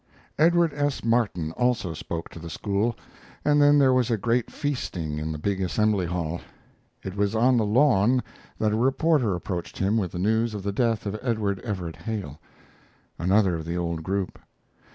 Edward S. Martin also spoke to the school, and then there was a great feasting in the big assembly hall. It was on the lawn that a reporter approached him with the news of the death of Edward Everett Hale another of the old group.